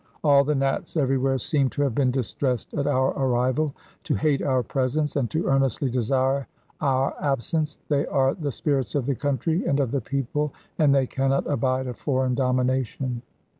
All the Nats everywhere seem to have been distressed at our arrival, to hate our presence, and to earnestly desire our absence. They are the spirits of the country and of the people, and they cannot abide a foreign domination.